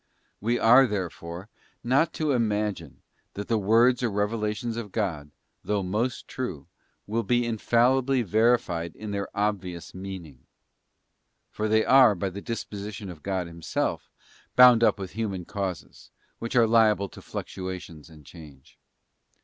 We are, therefore, not to imagine that the words or revelations of God, though most true, will be in fallibly verified in their obvious meaning; for they are, by the disposition of God Himself, bound up with human causes, which are liable to fluctuation and change.